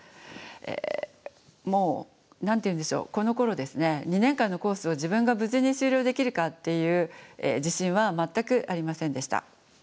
もう何て言うんでしょうこのころですね２年間のコースを自分が無事に修了できるかっていう自信は全くありませんでした。